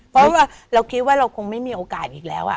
เพราะว่าเราคิดว่าเราคงไม่มีโอกาสอีกแล้ว